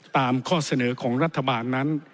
ข้อเสนอของรัฐบาลนั้น